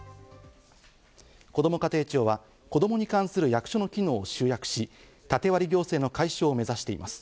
こども家庭庁は子供に関する役所の機能を集約し、縦割り行政の解消を目指しています。